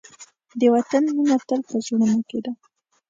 د وطن مینه تل په زړونو کې ده.